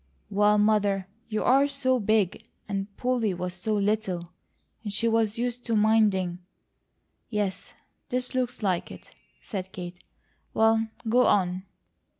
"Well, Mother, you are so big, and Polly was so little, and she was used to minding " "Yes, this looks like it," said Kate. "Well, go on!"